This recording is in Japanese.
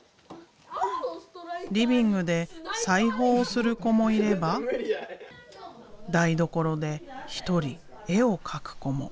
リビングで裁縫をする子もいれば台所で一人絵を描く子も。